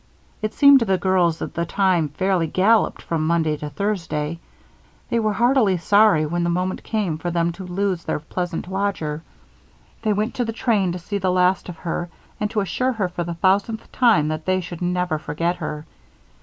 It seemed to the girls that the time fairly galloped from Monday to Thursday. They were heartily sorry when the moment came for them to lose their pleasant lodger. They went to the train to see the last of her and to assure her for the thousandth time that they should never forget her.